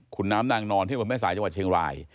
คุณน้ำนางนอนที่บนแม่สายจังหวัดเชียงราย